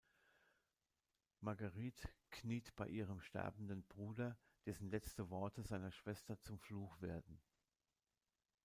Marguerite kniet bei ihrem sterbenden Bruder, dessen letzte Worte seiner Schwester zum Fluch werden.